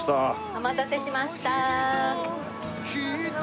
お待たせしました。